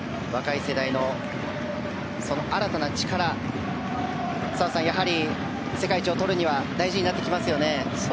若い世代の新たな力澤さん、世界一をとるには大事になってきますよね。